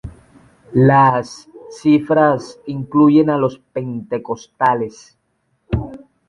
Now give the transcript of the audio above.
Las cifras incluyen a los pentecostales.